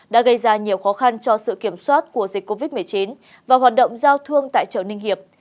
đã gây ra nhiều khó khăn cho sự kiểm soát của dịch covid một mươi chín và hoạt động giao thương tại chợ ninh hiệp